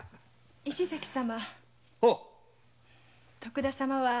石崎様！